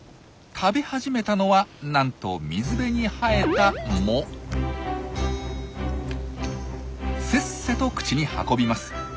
食べ始めたのはなんと水辺に生えたせっせと口に運びます。